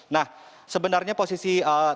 nah sebenarnya posisi tersebut